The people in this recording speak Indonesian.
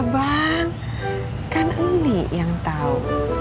bang kan andi yang tau